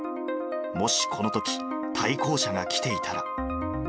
もしこのとき、対向車が来ていたら。